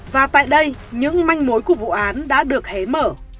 và tại đây những manh mối của vụ án đã được hé mở